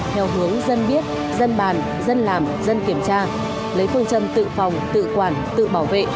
theo hướng dân biết dân bàn dân làm dân kiểm tra lấy phương châm tự phòng tự quản tự bảo vệ